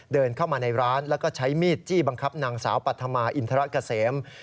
เดินเข้ามาในร้านแล้วก็ใช้มีดจี้บังคับนางสาวปัธมาอินทรเกษม